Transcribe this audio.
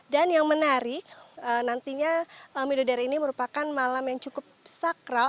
dan yang menarik nantinya mido dareni merupakan malam yang cukup sakral